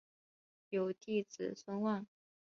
有弟子孙望。